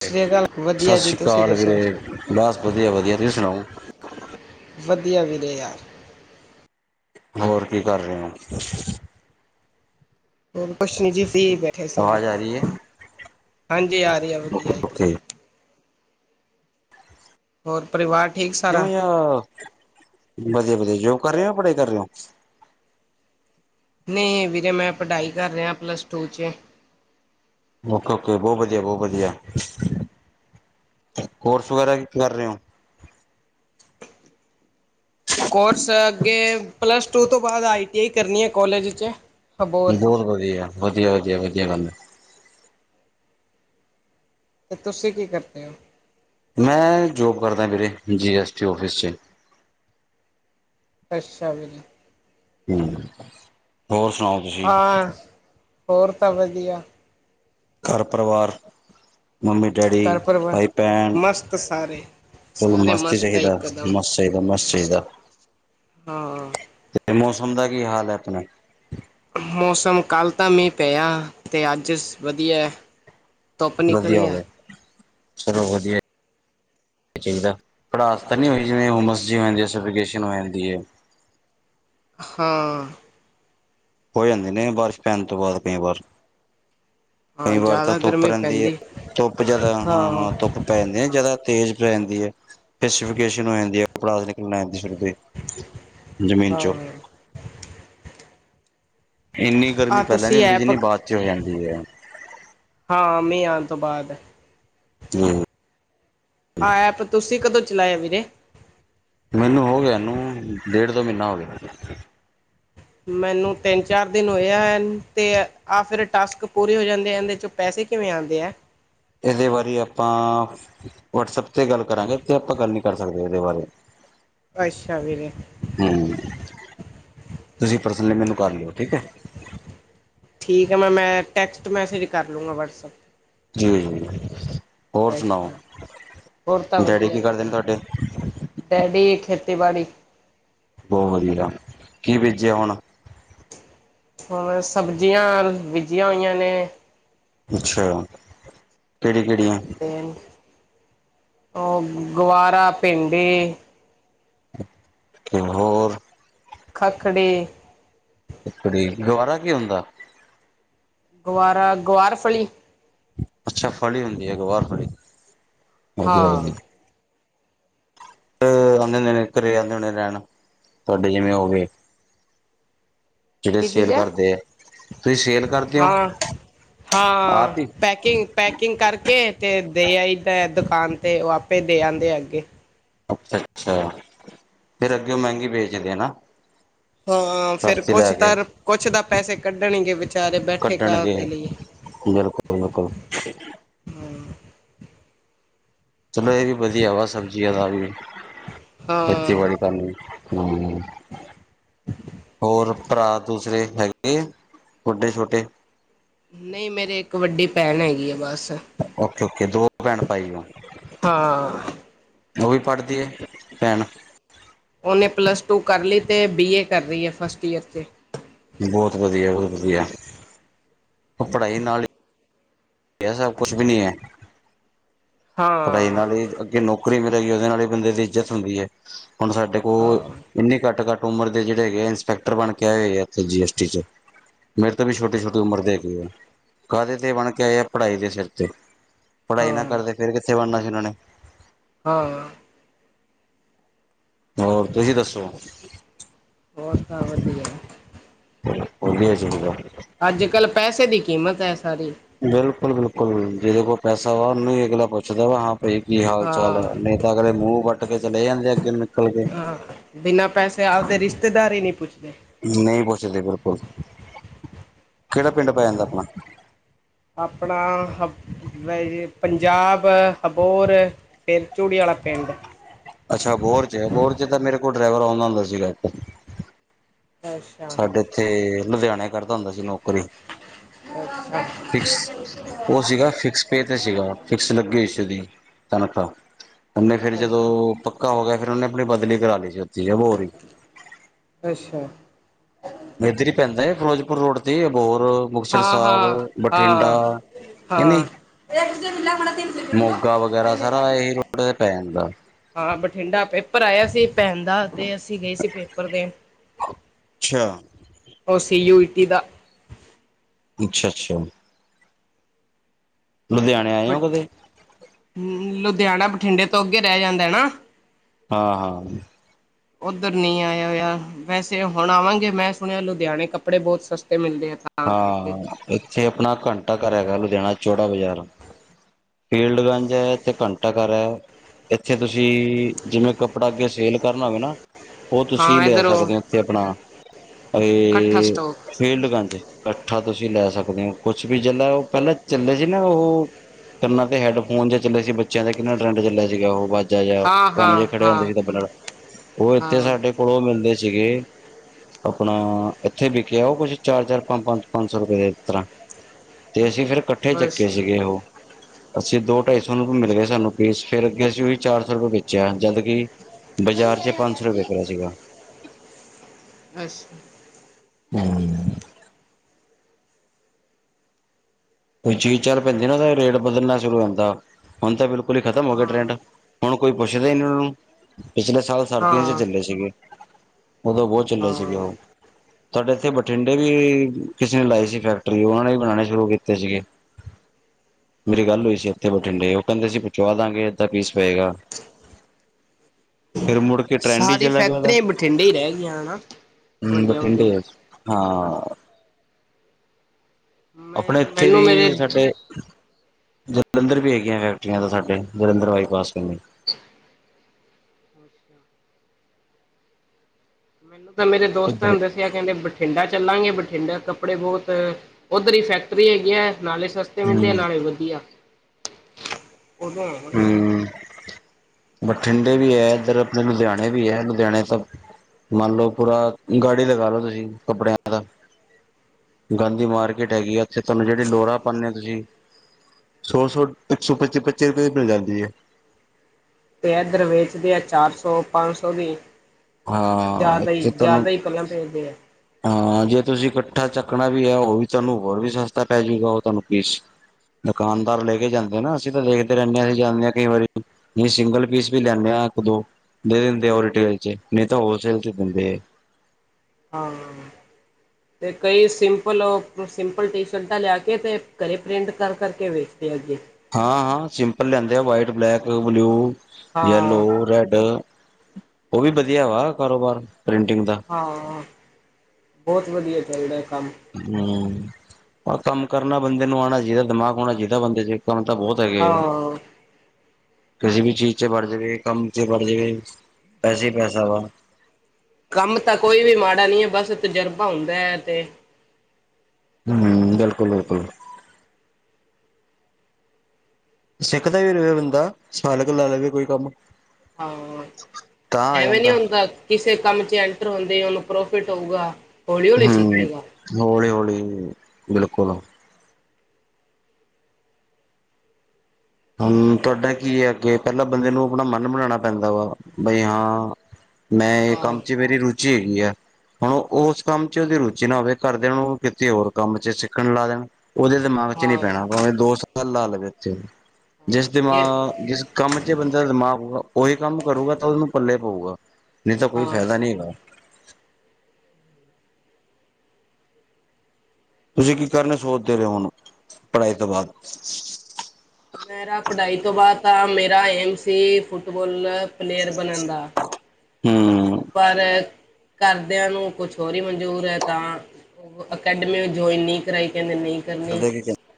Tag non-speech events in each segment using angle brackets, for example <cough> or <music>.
ਸਤਿ ਸ਼੍ਰੀ ਅਕਾਲ ਸਤਿ ਵਧੀਆ ਜੀ ਸ਼੍ਰੀ ਤੁਸੀਂ ਅਕਾਲ ਦੱਸੋ ਵੀਰੇ, ਬਸ ਵਧੀਆ ਵਧੀਆ, ਤੁਸੀਂ ਸੁਣਾਓ? ਵਧੀਆ ਵੀਰੇ ਯਾਰ ਹੋਰ ਕੀ ਕਰ ਰਹੇ ਹੋ? ਹੋਰ ਕੁੱਛ ਨੀ ਜੀ ਫਰੀ ਬੈਠੇ ਸੀ ਜੀ। ਆਵਾਜ਼ ਆ ਰਹੀ ਹੈ ਹਾਂਜੀ ਆ ਰਹੀ ਆ ਵਧੀਆ। ਇੱਕਦਮ ਓਕੇ ਹੋਰ ਪਰਿਵਾਰ ਠੀਕ <unintelligible> ਸਾਰਾ ਵਧੀਆ ਵਧੀਆ ਜੋਬ ਕਰ ਰਹੇ ਹੋ ਜਾਂ ਪੜ੍ਹਾਈ ਕਰ ਰਹੇ ਹੋ? ਨਹੀਂ ਵੀਰੇ, ਮੈਂ ਪੜ੍ਹਾਈ ਕਰ ਰਿਹਾ ਪਲੱਸ ਟੂ 'ਚ। ਓਕੇ-ਓਕੇ ਬਹੁਤ ਵਧੀਆ, ਬਹੁਤ ਵਧੀਆ ਕੋਰਸ ਵਗੈਰਾ ਕਰ ਰਹੇ ਹੋ? ਕੋਰਸ ਅੱਗੇ ਪਲੱਸ ਟੂ ਤੋਂ ਬਾਅਦ, ਆਈ ਟੀ ਆਈ ਕਰਨੀ ਹੈ ਕਲੇਜ 'ਚ। ਅਬੋਰ ਬਹੁਤ ਵਧੀਆ, ਵਧੀਆ ਵਧੀਆ ਵਧੀਆ ਗੱਲ ਐ। ਤੇ ਤੁਸੀਂ ਕੀ ਕਰਦੇ ਉਹ? ਮੈਂ ਜੋਬ ਕਰਦਾ ਵੀਰੇ ਜੀ, ਐੱਸ ਟੀ ਆਫਿਸ 'ਚ। ਅੱਛਾ ਵੀਰ ਜ ਹੂੰ, ਹੋਰ ਸੁਣਾਓ? ਤੁਸੀਂ ਹਾਂ, ਹੋਰ ਤਾਂ ਵਧੀਆ। ਘਰ ਪਰਿਵਾਰ, ਮੰਮੀ ਘਰ ਡੈਡੀ ਪਰਿਵਾਰ ਭਾਈ ਭੈਣ? ਮਸਤ ਸਾਰੇ ਚਲੋਂ ਸਾਰੇ ਮਸਤ ਹੀ ਹੈ ਚਾਹੀਦਾ, ਇਕਦਮ ਮਸਤ ਚਾਹੀਦਾ ਮਸਤ ਚਾਹੀਂਦਾ। ਹਾਂ ਆ। ਅਤੇ ਮੌਸਮ ਦਾ ਕੀ ਹਾਲ ਐ, ਆਪਣਾ? ਮੌਸਮ ਕੱਲ੍ਹ ਤਾਂ ਮੀਂਹ ਪਿਆ ਤੇ ਸ ਅੱਜ ਵਧੀਆ ਐ। ਵਧੀਆ ਹੋ ਗਿਆ, ਚਲੋਂ ਵਧੀਆ। ਚਾਹੀਦਾ ਪੜਾਸ ਤਾਂ ਨੀ ਹੋ ਜਿਵੇਂ ਹੂਮਸ ਹੋ ਜਾਂਦੀ ਐ। ਹਾਂ। ਹੋ ਜਾਂਦੀ ਨੇ, ਬਾਰਿਸ਼ ਪੈਣ ਤੋਂ ਬਾਅਦ ਕਈ ਵਾਰ। ਹਾਂ ਕਈ ਵਾਰ ਤਾਂ ਜ਼ਿਆਦਾ ਧੁੱਪ ਗਰਮੀ ਰਹਿੰਦੀ ਐ, ਪੈਂਦੀ ਧੁੱਪ ਜ਼ਿਆਦਾ, ਹਾਂ ਹਾਂ ਧੁੱਪ ਪੈ ਜਾਂਦੇ ਆ ਜ਼ਿਆਦਾ ਤੇਜ਼ ਪੈ ਜਾਂਦੀ ਐ, ਫਿਰ ਸੂਫਕੇਸ਼ਨ ਹੋ ਜਾਂਦੀ ਐ, ਭੜਾਸ ਮੈਂ ਅੱਜ ਫਿਰਦੇ ਜ਼ਮੀਨ ਹਾਂ ਚੋਂ ਇੰਨੀ ਗਰਮੀ ਆਹ ਪਹਿਲਾਂ ਨੀ ਤੁਸੀਂ ਹੁੰਦੀ ਐਪ ਜਿੰਨੀ ਬਾਅਦ ਚ ਹੋ ਜਾਂਦੀ ਐ। ਹਾਂ, ਮੀਂਹ ਆਣ ਤੋਂ ਬਾਅਦ। ਹੂੰ ਆਹ ਐਪ ਤੁਸੀਂ ਕਦੋਂ ਚਲਾਇਆ ਵੀਰੇ? ਮੈਨੂੰ ਹੋ ਗਿਆ ਇਹਨੂੰ, ਡੇਢ ਦੋ ਮਹੀਨਾ ਹੋ ਗਿਆ। ਮੈਨੂੰ ਤਿੰਨ ਚਾਰ ਦਿਨ ਹੋਇਆ ਐ, ਤੇ ਆਹ ਫਿਰ ਟਾਸਕ ਪੂਰੇ ਹੋ ਜਾਂਦੇ, ਆਦੇ ਚ ਪੈਸੇ ਕਿਵੇਂ ਆਉਂਦੇ ਐ? ਇਹਦੇ ਬਾਰੇ ਆਪਾਂ ਵੱਟਸਐੱਪ ਤੇ ਗੱਲ ਕਰਾਂਗੇ, ਇਹਤੇ ਆਪਾਂ ਗੱਲ ਨੀ ਕਰ ਸਕਦੇ ਇਹਦੇ ਬਾਰੇ। ਅੱਛਾ ਵੀਰੇ। ਹੂੰ, ਤੁਸੀਂ ਪਰਸਨਲੀ ਮੈਨੂੰ ਕਰ ਲਿਓ, ਠੀਕ ਐ। ਠੀਕ ਐ, ਮੈਂ ਮੈਂ ਟੈਕਸਟ ਮੈਸੇਜ ਕਰ ਲੂਗਾ ਵਟਸਐਪ ਜੀ ਜੀ ਹੋਰ ਸੁਣਾਓ, ਅੱਛਾ ਹੋਰ ਤਾਂ ਡੈਡੀ ਵਧੀਆ ਕੀ ਕਰਦੇ ਵੀਰੇ ਨੇ ਤੁਹਾਡੇ? ਡੈਡੀ ਖੇਤੀਬਾੜੀ। ਬਹੁਤ ਵਧੀਆ, ਕੀ ਬੀਜਿਆ ਹੁਣ? ਹੁਣ ਸਬਜ਼ੀਆਂ ਬੀਜੀਆਂ ਹੋਈਆਂ ਨੇ। ਅੱਛਾ, ਕਿਹੜੀ ਕਿਹੜੀਆਂ? ਉਹ ਗੁਆਰਾ, ਭਿੰਡੀ ਤੇ ਹੋ ਖੱਖੜੇ ਕੱਕੜੀ, ਗੁਆਰਾ ਕੀ ਹੁੰਦਾ? ਗੁਆਰਾ ਗੁਆਰਫਲੀ। ਅੱਛਾ, ਫਲੀ ਹੁੰਦੀ ਐ, ਗੁਆਰ ਫਲੀ। ਹਾਂ ਆਉਂਦੇ ਨੇ ਘਰੇ ਆਉਂਦੇ ਹੋਣੇ ਰਹਿਣਾ, ਤੁਹਾਡੇ ਜਿਵੇਂ ਹੋ ਗਏ। ਜਿਹੜੇ ਕੀ ਚੀਜ਼ ਸੇਲ ਹੈ? ਕਰਦੇ ਆ, ਤੁਸੀਂ ਸੇਲ ਕਰਦੇ ਹੋ? ਹਾਂ ਹਾਂ ਆ, ਆਪ ਹੀ? ਪੈਕਿੰਗ ਪੈਕਿੰਗ ਕਰਕੇ ਤੇ ਦੇ ਆਈ ਦਾ ਦੁਕਾਨ 'ਤੇ, ਉਹ ਆਪੇ ਦੇ ਆਂਦੇ ਆ ਅੱਗੇ। ਅੱਛਾ ਅੱਛਾ, ਫਿਰ ਅੱਗੇ ਉਹ ਮਹਿੰਗੀ ਵੇਚਦੇ ਨਾ। ਹਾਂ, ਫਿਰ ਸਸਤੀ ਲੈ ਕੁਛ ਕੇ। ਤਾਂ ਕੁਛ ਤਾਂ ਪੈਸੇ ਕੱਢਣਗੇ ਵਿਚਾਰੇ ਬੈਠੇ ਕਾਹਦੇ ਦੇ ਲਈ ਐ। ਕੁਲ ਬਿਲਕੁਲ ਚਲੋਂ ਇਹ ਵੀ ਵਧੀਆ ਵਾ ਸਬਜ਼ੀਆਂ ਦਾ ਵੀ, ਹਾਂ ਖੇਤੀਬਾੜੀ ਕਰਨੀ। ਹੂੰ ਹੋਰ ਭਰਾ ਦੂਸਰੇ ਹੈਗੇ ਆ, ਵੱਡੇ ਛੋਟੇ? ਨਹੀਂ, ਮੇਰੀ ਇੱਕ ਵੱਡੀ ਭੈਣ ਹੈਗੀ ਆ, ਬਸ। ਓਕੇ-ਓਕੇ, ਦੋ ਭੈਣ ਪਾਈ ਹੋ। ਹਾਂ। ਉਹ ਵੀ ਪੜ੍ਹਦੀ ਹੈ, ਭੈਣ। ਉਹਨੇ ਪਲੱਸ ਟੂ ਕਰ ਲਈ, ਤੇ ਬੀ ਏ ਕਰ ਰਹੀ ਹੈ ਫਸਟ ਈਅਰ ਤੇ ਬਹੁਤ ਵਧੀਆ, ਬਹੁਤ ਵਧੀਆ। ਉਹ ਪੜ੍ਹਾਈ ਨਾਲ ਹੀ ਇਹ ਸਭ ਕੁਛ ਵੀ ਨੀ ਹੈ। ਪੜ੍ਹਾਈ ਹਾਂ ਨਾਲ ਹੀ ਅੱਗੇ ਨੌਕਰੀ ਮਿਲੇਗੀ, ਉਹਦੇ ਨਾਲ ਹੀ ਬੰਦੇ ਦੀ ਇੱਜਤ ਹੁੰਦੀ ਹੈ ਹੁਣ ਸਾਡੇ ਕੋਲ ਹਾਂ। ਇੰਨੀ ਘੱਟ-ਘੱਟ ਉਮਰ ਦੇ ਜਿਹੜੇ ਹੈਗੇ, ਇੰਸਪੈਕਟਰ ਬਣ ਕੇ ਆਏ ਹੈ ਇਥੇ ਜੀਐਸਟੀ'ਚ। ਮੇਰੇ ਤੋਂ ਵੀ ਛੋਟੀ-ਛੋਟੀ ਉਮਰ ਦੇ ਹੈਗੇ ਆ। ਕਾਹਦੇ ਤੇ ਬਣ ਕੇ ਆਏ ਆ ਪੜ੍ਹਾਈ ਦੇ ਸਿਰ ਤੇ, ਪੜ੍ਹਾਈ ਹਾਂ ਨਾ ਕਰਦੇ ਫਿਰ ਕਿੱਥੇ ਬਣਨਾ ਸੀ ਏਹਨਾਂ ਨੇ। ਹਾਂ। ਹੋਰ, ਤੁਸੀਂ ਦੱਸੋ। ਹੋਰ ਸਬ ਵਧੀਆ। ਵਧੀਆ ਚਾਹੀਦਾ ਅੱਜਕੱਲ੍ਹ ਪੈਸੇ ਦੀ ਕੀਮਤ ਹੈ ਸਾਰੀ। ਬਿਲਕੁਲ-ਬਿਲਕੁਲ ਜਿਹਦੇ ਕੋਲ ਪੈਸਾ ਵਾ, ਉਹਨੂੰ ਹੀ ਅਗਲਾ ਪੁੱਛਦਾ ਵਾ ਹਾਂ ਭਾਈ ਕੀ ਹਾਲ ਚਾਲ ਹਾਂ ਆ, ਨਹੀਂ ਤਾਂ ਅਗਲੇ ਮੂੰਹ ਵੱਟ ਕੇ ਚਲੇ ਜਾਂਦੇ ਅੱਗੇ ਨੂੰ ਨਿਕਲ ਕੇ। ਹਾਂ ਬਿਨਾਂ ਪੈਸੇ ਆਵਦੇ ਰਿਸ਼ਤੇਦਾਰ ਹੀ ਨਹੀਂ ਪੁੱਛਦੇ। ਨਹੀਂ ਪੁੱਛਦੇ ਬਿਲਕੁਲ, ਕਿਹੜਾ ਪਿੰਡ ਪੈ ਜਾਂਦਾ ਆਪਣਾ? ਆਪਣਾ ਵੈਸੇ ਪੰਜਾਬ, ਅਬੋਰ ਪਿਰਚੁੜੀ ਆਲਾ ਪਿੰਡ। ਅੱਛਾ ਅਬੋਰ'ਚ ਹੈ, ਅਬੋਰ'ਚ ਤਾਂ ਮੇਰੇ ਕੋਲ ਡਰਾਈਵਰ ਆਉਂਦਾ ਹੁੰਦਾ ਸੀਗਾ। ਅੱਛਾ। ਤੇ ਲੁਧਿਆਣੇ ਕਰਦਾ ਹੁੰਦਾ ਸੀ ਨੌਕਰੀ। ਫਿਕਸ <inaudible> ਉਹ ਸੀਗਾ ਫਿਕਸ ਪੇ'ਤੇ ਸੀਗਾ, ਫਿਕਸ ਲੱਗੇ ਹੋਈ ਸੀ ਓਹਦੀ ਤਨਖਾਹ। ਉਹਨੇ ਫੇਰ ਅੱਛਾ ਜਦੋਂ ਪੱਕਾ ਹੋ ਗਿਆ, ਫੇਰ ਉਹਨੇ ਆਪਣੀ ਬਦਲੀ ਕਰਾ ਲਈ ਸੀ ਉਥੀ ਅਬੋਰ ਹੀ। ਅੱਛਾ। ਏਧਰ ਹੀ ਪੈਂਦਾ, ਫਿਰੋਜ਼ਪੁਰ ਰੋਡ'ਤੇ ਅਬੋਰ। ਮੁਕਤਸਰ ਹਾਂ ਸਾਹਿਬ, ਹਾਂ ਬਠਿੰਡਾ, ਹਾਂ ਕੇ ਨਹੀਂ। <inaudible> ਹਾਂ, ਇਹੀ ਰੋਡ ਤੇ ਪੈ ਜਾਂਦਾ। ਹਾਂ ਬਠਿੰਡਾ ਪੇਪਰ ਆਇਆ ਸੀ ਭੈਣ ਦਾ, ਤੇ ਅਸੀਂ ਗਏ ਸੀ ਪੇ ਪੇਪਰ ਦੇਣ, ਅੱਛਾ। ਓ ਸੀਯੂਇਟੀ ਦਾ। ਅੱਛਾ-ਅੱਛਾ। ਲੁਧਿਆਣੇ ਆਏ ਹੋ ਕਦੇ? ਹਂ, ਲੁਧਿਆਣਾ ਬਠਿੰਡੇ ਤੋਂ ਅੱਗੇ ਰਹਿ ਜਾਂਦਾ ਨਾ। ਹਾਂ-ਹਾਂ। ਉੱਧਰ ਨਹੀਂ ਆਏ ਹੋਏ ਆ ਵੈਸੇ, ਹੁਣ ਆਵਾਂਗੇ, ਮੈਂ ਸੁਣਿਆ ਲੁਧਿਆਣੇ ਕੱਪੜੇ ਬਹੁਤ ਸਸਤੇ ਮਿਲਦੇ ਆ। ਤਾਂ ਕਰਕੇ ਹਾਂ, ਇੱਥੇ ਆਪਣਾ ਘੰਟਾ ਕਰ ਹੈਗਾ, ਲੁਧਿਆਣਾ ਚੌੜਾ ਬਾਜ਼ਾਰ। ਫੀਲਡ ਗੰਜ ਤੇ ਕਣ ਘੰਟਾ ਘਰ ਐ ਇੱਥੇ, ਤੁਸੀਂ ਜਿਵੇਂ ਕੱਪੜਾ ਅੱਗੇ ਸੇਲ ਕਰਨਾ ਹੋਵੇ ਨਾ ਉਹ ਤੁਸੀਂ ਹਾਂ ਲਿਆ ਇੱਧਰੋਂ ਸਕਦੇ ਹੋ ਇੱਥੇ ਆਪਣਾ, ਕੱਠਾ ਇਹ ਸਟੋਕ ਫੀਲਡ ਗੰਜ ਇਕੱਠਾ ਤੁਸੀਂ ਲੈ ਸਕਦੇ ਹੋ, ਕੁਛ ਵੀ, ਜਿਹੜਾ ਉਹ ਪਹਿਲਾਂ ਚੱਲੇ ਸੀ ਨਾ, ਉਹ ਕੰਨਾਂ'ਤੇ ਹੈਡਫੋਨ ਜੇ ਚੱਲੇ ਸੀ, ਬੱਚਿਆਂ ਦਾ ਕਿੰਨਾ ਟਰੈਂਡ ਚੱਲਿਆ ਸੀਗਾ, ਉਹ ਵੱਲ ਹਾਂ ਕੰਨ ਜੇ ਹਾਂ ਖੜੇ ਹੁੰਦੇ ਹਾਂ ਸੀ, ਦਬਨ ਨਾਲ, ਉਹ ਇੱਥੇ ਹਾਂ ਸਾਡੇ ਓਹ ਮਿਲਦੇ ਸੀਗੇ, ਆਪਣਾ ਇੱਥੇ ਵਿਕਿਆ ਉਹ ਕੁਛ ਚਾਰ-ਚਾਰ ਪੰਜ-ਪੰਜ ਸੌ ਰੁਪਏ ਇਸ ਤਰ੍ਹਾਂ ਤੇ ਅਸੀਂ ਫਿਰ ਇਕੱਠੇ ਬਸ ਚੱਕੇ ਸੀਗੇ, ਉਹ। ਅਸੀਂ ਦੋ ਢਾਈ ਸੌ ਨੂੰ ਮਿਲ ਗਏ ਸਾਨੂੰ ਪੀਸ, ਫੇਰ ਅੱਗੇ ਅਸੀਂ ਉਹੀ ਚਾਰ ਸੌ ਰੁਪਏ ਵੇਚਿਆ ਜਦ ਕਿ। ਬਾਜ਼ਾਰ 'ਚ ਪੰਜ ਸੌ ਰੁਪਏ ਵਿਕ‌‌ ਰਿਹਾ ਸੀਗਾ। ਅੱਛਾ। ਹਮ <inaudible> ਕੋਈ ਚੀਜ ਚੱਲ ਪੈਂਦੀ ਨਾ ਰੇਟ ਬਦਲਣਾ ਸ਼ੁਰੂ ਹੋ ਜਾਂਦਾ, ਹੁਣ ਤਾਂ ਬਿਲਕੁਲ ਹੀ ਖਤਮ ਹੋ ਗਿਆ ਟਰੈਂਡ। ਹਾਂ ਹੁਣ ਕੋਈ ਪੁੱਛਦਾ ਹੀ ਨਹੀਂ ਉਹਨਾਂ ਨੂੰ, ਪਿਛਲੇ ਸਾਲ ਸਰਦੀਆਂ 'ਚ ਹਾਂ ਚੱਲੇ ਸੀਗੇ ਉਦੋਂ ਬਹੁਤ। ਚੱਲੇ ਸੀਗੇ ਹਾਂ ਉਹ। ਤੁਹਾਡੇ ਇੱਥੇ ਬਠਿੰਡੇ ਵੀ ਕਿਸੇ ਨੇ ਲਾਈ ਸੀ ਫੈਕਟਰੀ, ਉਹਨਾਂ ਨੇ ਬਣਾਉਣੇ ਸ਼ੁਰੂ ਕੀਤੇ ਸੀਗੇ। ਮੇਰੀ ਗੱਲ ਹੋਈ ਸੀ ਇੱਥੇ ਬਠਿੰਡੇ, ਉਹ ਕਹਿੰਦੇ ਸੀ ਪਹੁੰਚਵਾ ਦਾਂਗੇ ਏਦਾਂ ਪੀਸ ਪਏਗਾ। ਫਿਰ ਮੁੜ ਕੇ ਟਰੈਂਡ ਹੀ ਸਾਰੀ ਚਲਾ ਗਿਆ ਉਹਦਾ ਫੈਕਟਰੀਆਂ ਬਠਿੰਡੇ ਹੀ ਰਹਿ ਗਈਆਂ, ਹਨਾ। ਹਮ ਵੱਡੀਆਂ ਬਠਿੰਡੇ, ਵੱਡੀਆਂ ਹਾਂ। <unintelligible> ਮੈਂ ਆਪਣੇ ਇੱਥੇ ਮੈਨੂੰ ਮੇਰੇ ਵੀ ਸਾਡੇ। ਜਲੰਧਰ ਵੀ ਹੈਗੀਆਂ ਫੈਕਟਰੀਆਂ ਤਾਂ ਸਾਡੇ, ਜਲੰਧਰ ਬਾਈਪਾਸ ਵਾਲੇ। ਅੱਛਾ <inaudible> ਮੈਨੂੰ ਤਾਂ ਮੇਰੇ ਦੋਸਤਾਂ ਉੱਧਰ ਨੇ ਦੱਸਿਆ। ਕਹਿੰਦੇ ਬਠਿੰਡਾ ਚੱਲਾਂਗੇ। ਬਠਿੰਡਾ ਕੱਪੜੇ ਬਹੁਤ ਉੱਧਰ ਹੀ ਫੈਕਟਰੀ ਹੈਗੀ ਹੈ ਨਾਲੇ ਸਸਤੀ ਹਮ ਹੁੰਦੇ ਨਾਲੇ ਵਧੀਆ। ਉਹ <unintelligible> ਹਮ ਬਠਿੰਡੇ ਵੀ ਹੈ, ਇੱਧਰ ਆਪਣੇ ਲੁਧਿਆਣੇ ਵੀ ਹੈ, ਲੁਧਿਆਣੇ ਸਭ ਮੰਨ ਲਓ ਪੂਰਾ ਗੜ ਹੀ ਲਗਾ ਲੋ ਤੁਸੀਂ ਕੱਪੜਿਆਂ ਦਾ। ਗਾਂਧੀ ਮਾਰਕੀਟ ਹੈਗੀ ਆ ਉੱਥੇ, ਤੁਹਾਨੂੰ ਜਿਹੜੀ ਲੋਅਰਾ ਪਾਉਂਦੇ ਹੋ ਤੁਸੀਂ ਸੌ ਸੌ, ਇੱਕ ਸੌ ਪੱਚੀ- ਪੱਚੀ ਰੁਪਏ ਦੀ ਮਿਲ ਜਾਂਦੀ ਹੈ। ਅਤੇ ਇਧਰ ਵੇਚਦੇ ਆ, ਚਾਰ ਸੌ ਪੰਜ ਸੌ ਦੀ। ਹਾਂ ਜ਼ਿਆਦਾ ਹੀ ਇੱਥੇ ਤੁਹਾਨੂੰ ਜ਼ਿਆਦਾ ਹੀ, ਪਲਾਂ ਬੇਚਦੇ ਆ। ਹਾਂ ਜੇ ਤੁਸੀਂ ਇਕੱਠਾ ਚੱਕਣਾ ਵੀ ਹੈ, ਉਹ ਵੀ ਤੁਹਾਨੂੰ ਹੋਰ ਵੀ ਸਸਤਾ ਪੈ ਜੂਗਾ ਉਹ ਤੁਹਾਨੂੰ ਪੀਸ। ਦੁਕਾਨਦਾਰ ਲੈ ਕੇ ਜਾਂਦੇ ਨਾ ਅਸੀਂ ਤਾਂ ਦੇਖਦੇ ਰਹਿੰਦੇ ਹਾਂ, ਅਸੀਂ ਜਾਂਦੇ ਹਾਂ ਕਈ ਵਾਰੀ ਨਹੀਂ ਸਿੰਗਲ ਪੀਸ ਵੀ ਲੈਂਦੇ ਹਾਂ, ਇੱਕ ਦੋ ਦੇ ਦਿੰਦੇ ਹੋ ਰਿਟੇਲ ਚ' ਨਹੀਂ ਤਾਂ ਹੋਲਸੇਲ ਚ ਦਿੰਦੇ ਆ। ਹਾਂ। <inaudible> ਤੇ ਕਈ ਸਿੰਪਲ, ਸਿੰਪਲ ਟੀ ਸ਼ਰਟਾਂ ਲਿਆ ਕੇ ਤੇ ਘਰੇ ਪ੍ਰਿੰਟ ਕਰ ਕਰਕੇ ਵੇਚਦੇ ਅੱਗੇ। ਹਾਂ ਹਾਂ ਸਿੰਪਲ ਲਿਆਂਦੇ ਆ ਵਾਈਟ, ਬਲੈਕ, ਬਲਿਊ। ਹਾਂ ਯੈਲੋ, ਰੈਡ ਉਹ ਵੀ ਵਧੀਆ ਵਾ ਕਾਰੋਬਾਰ ਪ੍ਰਿੰਟਿੰਗ ਦਾ। ਹਾਂ, ਬਹੁਤ ਵਧੀਆ ਚੱਲਦਾ‌ ਆ ਕੰਮ। ਹੁੰ ਕੰਮ ਕਰਨਾ ਬੰਦੇ ਨੂੰ ਆਉਣਾ ਚਾਹੀਦਾ। ਦਿਮਾਗ ਹੋਣਾ ਚਾਹੀਦਾ ਬੰਦੇ ਚ। ਕੰਮ ਤਾਂ ਬਹੁਤ ਹੈਗੇ ਆ। ਹਾਂ ਕਿਸੇ ਵੀ ਚੀਜ਼ ਚ ਵੜ ਜਾਵੇ, ਕੰਮ ਚ ਵੜ ਜਾਵੇ ਪੈਸੇ ਹੀ ਪੈਸਾ ਵਾ। ਕੰਮ ਤਾਂ ਕੋਈ ਵੀ ਮਾੜਾ ਨਹੀ ਹੈ, ਬਸ ਤਜਰਬਾ ਹੁੰਦਾ ਹੈ ਤੇ ਹੁੰ ਬਿਲਕੁਲ ਬਿਲਕੁਲ। ਸਿੱਖਦਾ ਵੀ ਰਹੇ ਬੰਦਾ, ਸਾਲ ਕੁ ਲਾ ਲਵੇ ਕੋਈ ਕੰਮ। ਹਾਂ, ਤਾਂ ਆ ਐਵੇਂ ਨੀ ਜਾਂਦਾ ਹੁੰਦਾ। ਕਿਸੇ ਕੰਮ 'ਚ ਐਂਟਰ ਹੁੰਦੇ ਹੀ, ਓਹਨੂੰ ਪ੍ਰੋਫਿਟ ਹੋਊਗਾ। ਹੌਲੀ ਹੌਲੀ ਹੁੰ, ਸਿੱਖੇਗਾ ਹੌਲੀ ਹੌਲੀ ਬਿਲਕੁਲ। ਹੁੰ ਤੁਹਾਡਾ ਕੀ ਹੈ, ਤੁਹੀਂ ਪਹਿਲਾਂ ਬੰਦੇ ਨੂੰ ਆਪਣਾ ਮਨ ਬਣਾਉਣਾ ਪੈਂਦਾ ਵਾ, ਬਈ ਹਾਂ। ਮੈਂ ਇਹ ਹਾਂ ਕੰਮ ਚ, ਮੇਰੀ ਰੂਚੀ ਹੈਗੀ ਆ। ਹੁੰ ਉਸ ਕੰਮ ਚ ਉਹਦੀ ਰੁਚੀ ਨਾ ਹੋਵੇ, ਘਰਦੇ ਓਹਨੂੰ ਕਿਤੇ ਹੋਰ ਕੰਮ ਚ ਸਿੱਖਣ ਲਾ ਦੇਣ। ਉਹਦੇ ਦਿਮਾਗ ਚ ਨੀ ਹਾਂ ਪੈਣਾ, ਭਾਵੇਂ ਦੋ ਸਾਲ ਲਾ ਲਵੇ ਉਥੇ। ਜਿਸ ਹਾਂ ਜੇ ਦਿਮਾਗ, ਜਿਸ ਕੰਮ ਚ ਬੰਦਾ ਦਾ ਦਿਮਾਗ ਹੋਊਗਾ, ਉਹੀ ਕੰਮ ਕਰੇਗਾ ਤਾਂ ਉਹਨੂੰ ਪੱਲੇ ਪਊਗਾ। ਨਹੀਂ ਤਾਂ ਕੋਈ ਹਾਂ ਫਾਇਦਾ ਨਹੀ ਹੈਗਾ। ਤੁਸੀਂ ਕੀ ਕਰਨੇ ਸੋਚਦੇ ਰਹੇ ਹੋ, ਹੁਣ ਪੜ੍ਹਾਈ ਤੋਂ ਬਾਅਦ? ਮੇਰਾ ਪੜ੍ਹਾਈ ਤੋਂ ਬਾਅਦ ਤਾਂ ਮੇਰਾ ਏਮ ਸੀ, ਫੁੱਟਬੋਲ ਪਲੇਅਰ ਬਣਨ ਦਾ। ਹੁੰ। ਪਰ ਘਰਦਿਆਂ ਨੂੰ, ਕੁਛ ਹੋਰ ਹੀ ਮਨਜ਼ੂਰ ਹੈ, ਤਾਂ ਅਕੈਡਮੀ ਜੁਆਇਨ ਨਹੀਂ ਕਰਾਈ, ਕਹਿੰਦੇ ਨਈ ਕਰਨੀ। ਅੱਛਾ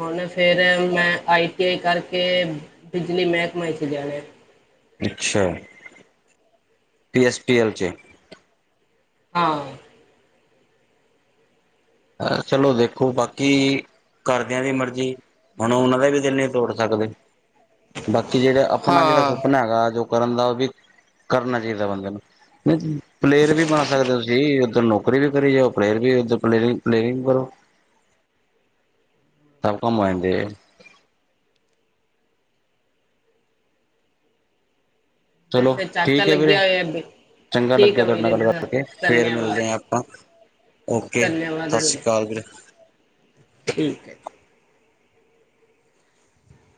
ਹੁਣ ਫਿਰ ਮੈਂ, ਆਈ ਟੀ ਆਈ ਕਰਕੇ ਬਿਜਲੀ ਮਹਿਕਮੇ 'ਚ ਜਾ ਰਿਹਾ ਅੱਛਾ, ਪੀ ਐੱਸ ਪੀ ਐਲ 'ਚ ਹਾਂ। ਚਲੋ ਦੇਖੋ, ਬਾਕੀ ਘਰਦਿਆਂ ਦੀ ਮਰਜ਼ੀ, ਹੁਣ ਉਹਨਾਂ ਦਾ ਵੀ ਦਿਲ ਨਹੀਂ ਤੋੜ, ਸਕਦੇ ਬਾਕੀ, ਜਿਹੜਾ ਆਪਣਾ, ਜਿਹੜਾ ਹਾਂ ਸੁਪਨਾ ਹੈਗਾ ਜੋ ਕਰਨ ਦਾ ਵੀ, ਕਰਨਾ ਚਾਹੀਦਾ ਬੰਦੇ ਨੂੰ, ਨਹੀਂ ਪਲੇਅਰ ਵੀ ਬਣ ਸਕਦੇ ਤੁਸੀਂ ਉਸ ਨੂੰ ਪਰੇਅਰ ਕਰੀ ਜਾਓ, ਪਰੇ ਡੈਲੀ ਪ੍ਰੇਯਰ ਪਰੇਅਰ ਕਰੋ ਸਭ ਕੰਮ, ਆਏਗੇ। ਚਲੋ ਵੈਸੇ ਚਾਚਾ ਠੀਕ ਏ ਵੀਰੇ, ਲੱਗਿਆ ਹੋਇਆ ਚੰਗਾ ਠੀਕ ਲੱਗਿਆ ਹੈ ਤੁਹਾਡੇ ਨਾਲ ਵੀਰੇ ਗੱਲ ਕਰਕੇ ਫੇਰ ਧੰਨਵਾਦ ਮਿਲਦੇ ਆ। ਓਕੇ, ਸਤਿ ਸ਼੍ਰੀ ਅਕਾਲ ਵੀਰੇ। ਠੀਕ ਹੈ